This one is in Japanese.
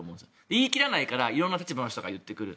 言い切らないから色んな立場の人が言ってくる。